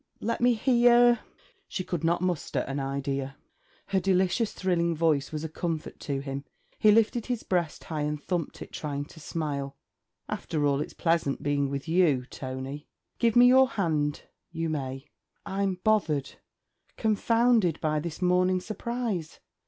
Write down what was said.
'Let me hear...' She could not muster an idea. Her delicious thrilling voice was a comfort to him. He lifted his breast high and thumped it, trying to smile. 'After all, it's pleasant being with you, Tony. Give me your hand you may: I 'm bothered confounded by this morning surprise.